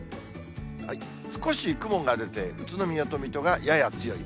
少し雲が出て、宇都宮と水戸がやや強い。